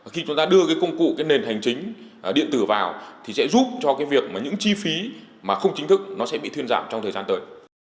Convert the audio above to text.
khi chúng ta đưa công cụ nền hành chính điện tử vào thì sẽ giúp cho những chi phí không chính thức bị thuyên giảm trong thời gian tới